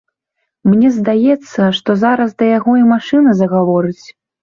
Мне здаецца, што зараз да яго і машына загаворыць.